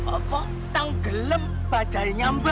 apa tanggelam bajanya mbak